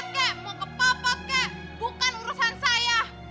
mau kepepet kek mau kepopok kek